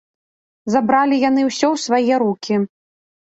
Забралі яны ўсё ў свае рукі.